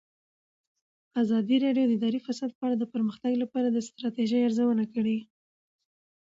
ازادي راډیو د اداري فساد په اړه د پرمختګ لپاره د ستراتیژۍ ارزونه کړې.